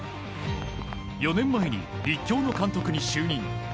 ４年前に立教の監督に就任。